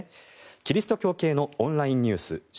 キリスト教系のオンラインニュース